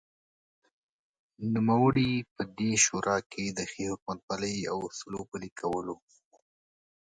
نوموړی په دې شورا کې دښې حکومتولۍ او اصولو پلې کولو